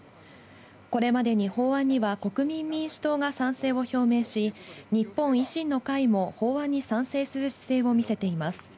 これまでに法案には国民民主党が賛成を表明し、日本維新の会も法案に賛成する姿勢を見せています。